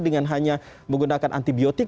dengan hanya menggunakan antibiotik